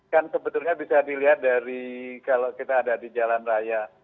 kan sebetulnya bisa dilihat dari kalau kita ada di jalan raya